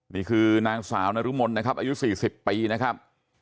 นี่คือนางสาวนรมนนะครับอายุ๔๐ปีนะครับ